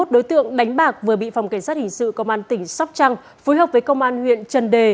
hai mươi đối tượng đánh bạc vừa bị phòng cảnh sát hình sự công an tỉnh sóc trăng phối hợp với công an huyện trần đề